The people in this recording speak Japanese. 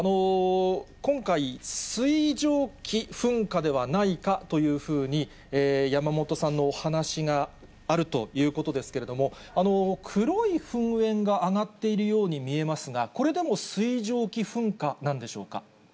今回、水蒸気噴火ではないかというふうに山元さんのお話があるということですけれども、黒い噴煙が上がっているように見えますが、これでも水蒸気噴火なんでしょうか。